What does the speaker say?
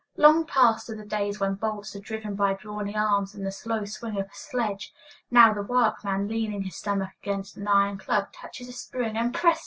Long past are the days when bolts were driven by brawny arms and the slow swing of a sledge. Now the workman, leaning his stomach against an iron club, touches a spring, and, presto!